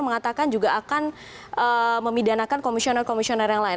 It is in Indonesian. mengatakan juga akan memidanakan komisioner komisioner yang lain